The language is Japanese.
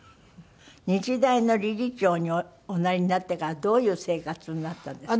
日大の理事長におなりになってからどういう生活になったんですか？